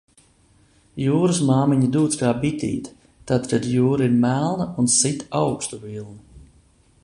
Jūras māmiņa dūc kā bitīte, tad, kad jūra ir melna un sit augstu vilni.